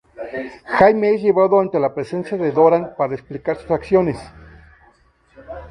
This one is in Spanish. Jaime es llevado ante la presencia de Doran para explicar sus acciones.